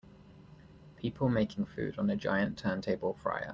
People making food on a giant turntable fryer.